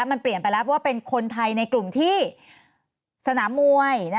มันเปลี่ยนไปแล้วว่าเป็นคนไทยในกลุ่มที่สนามมวย